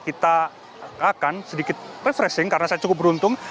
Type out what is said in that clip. kita akan sedikit refreshing karena saya cukup beruntung